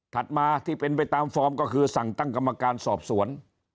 มาที่เป็นไปตามฟอร์มก็คือสั่งตั้งกรรมการสอบสวน